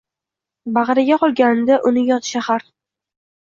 Bag’riga olgandi uni yot shahar.